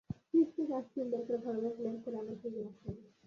Fridge থেকে ice cream বের করে ভালোভাবে ব্লেন্ড করে আবার ফ্রিজে রাখতে হবে।